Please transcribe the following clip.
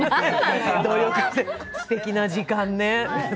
すてきな時間ね。